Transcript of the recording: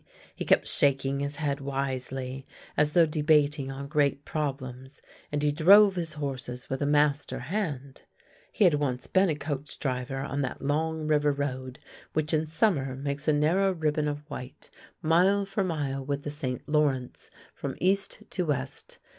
He kept shaking his head wisely, as though debating on great problems, and he drove his horses with a master hand — he had once been a coach driver on that long river road which in summer makes a narrow ribbon of white, mile for mile with the St. Lawrence, from east to west.